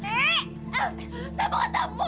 eh saya mau ketemu